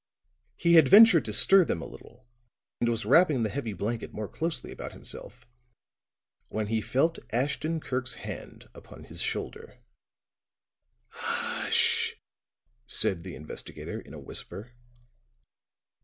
He had ventured to stir them a little, and was wrapping the heavy blanket more closely about himself, when he felt Ashton Kirk's hand upon his shoulder. "Hush h h!" said the investigator in a whisper.